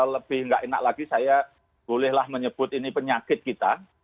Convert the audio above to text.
lebih nggak enak lagi saya bolehlah menyebut ini penyakit kita